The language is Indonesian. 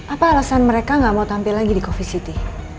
apa alasan mereka gak mau tampil lagi di coffee city